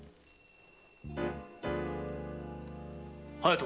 隼人。